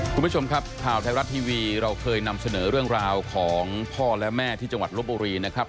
คุณผู้ชมครับข่าวไทยรัฐทีวีเราเคยนำเสนอเรื่องราวของพ่อและแม่ที่จังหวัดลบบุรีนะครับ